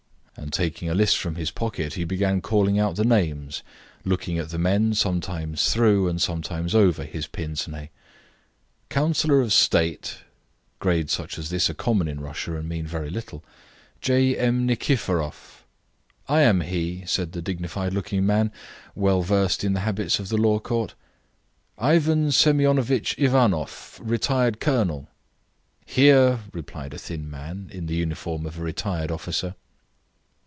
And, taking a list from his pocket, he began calling out the names, looking at the men, sometimes through and sometimes over his pince nez. "Councillor of State, [grades such as this are common in Russia, and mean very little] J. M. Nikiforoff!" "I am he," said the dignified looking man, well versed in the habits of the law court. "Ivan Semionovitch Ivanoff, retired colonel!" "Here!" replied a thin man, in the uniform of a retired officer.